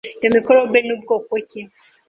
Iyo microbe ni bwoko ki?